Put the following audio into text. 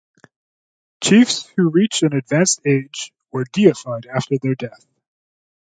Chiefs who reach an advanced age were deified after their death.